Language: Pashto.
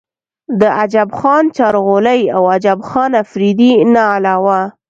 د عجب خان چارغولۍ او عجب خان افريدي نه علاوه